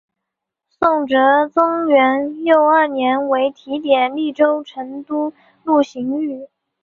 宋哲宗元佑二年为提点利州成都路刑狱。